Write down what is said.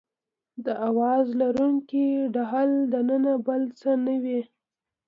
د اواز لرونکي ډهل دننه بل څه نه وي.